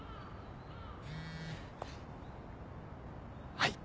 はい。